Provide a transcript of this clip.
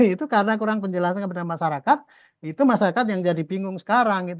itu karena kurang penjelasan kepada masyarakat itu masyarakat yang jadi bingung sekarang